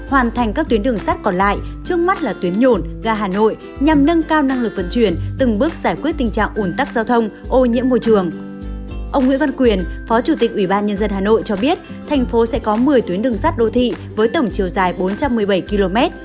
ông nguyễn văn quyền phó chủ tịch ủy ban nhân dân hà nội cho biết thành phố sẽ có một mươi tuyến đường sắt đô thị với tổng chiều dài bốn trăm một mươi bảy km